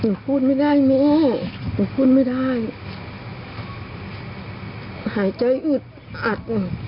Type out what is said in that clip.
ผมพูดไม่ได้มีผมพูดไม่ได้หายใจอึดอัด